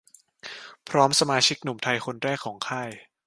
พร้อมสมาชิกหนุ่มไทยคนแรกของค่าย